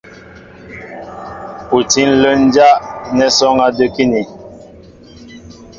U tí ǹlə́ ǹjá' nɛ́ sɔ́ɔ́ŋ á də́kíní.